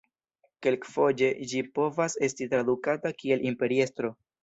Kelkfoje ĝi povas esti tradukata kiel imperiestro.